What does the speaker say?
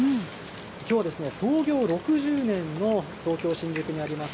きょうは創業６０年の、東京・新宿にあります